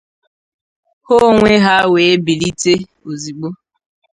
ha onwe ha wee bilite ozigbo